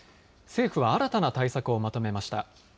政府は新たな対策をまとめました。